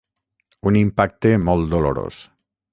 Un impacte molt dolorós.